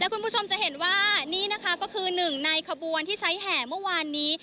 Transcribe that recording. คุณผู้ชมจะเห็นว่านี่นะคะก็คือหนึ่งในขบวนที่ใช้แห่เมื่อวานนี้